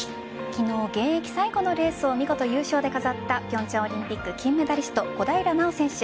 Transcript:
昨日、現役最後のレースを見事優勝で飾った平昌オリンピック金メダリスト小平奈緒選手。